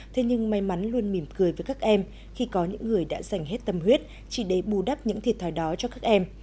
thế nhưng may mắn luôn mỉm cười với các em khi có những người đã dành hết tâm huyết chỉ để bù đắp những thiệt thòi đó cho các em